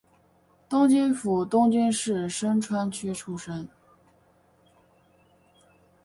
东京府东京市深川区出身。